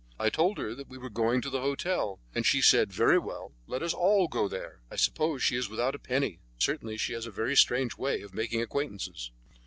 I told her that we were going to the hotel, and she said: 'Very well, let us all go there!' I suppose she is without a penny. She certainly has a very strange way of making acquaintances."